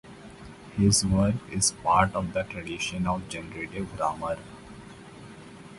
His work is part of the tradition of generative grammar.